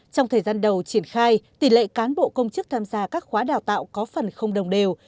trong thời gian đầu triển khai tỷ lệ cán bộ công chức tham gia các khóa đào tạo có phần không đồng đều